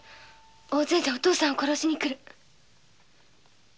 大勢でお父さんを殺しに来る。